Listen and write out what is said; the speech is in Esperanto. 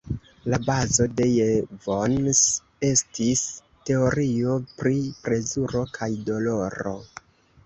La bazo de Jevons estis teorio pri plezuro kaj doloro.